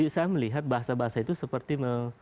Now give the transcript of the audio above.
saya melihat bahasa bahasa itu seperti